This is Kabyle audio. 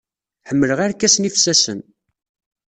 Ḥemmleɣ irkasen ifessasen.